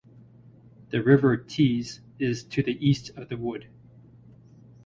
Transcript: The River Tees is to the East of the wood.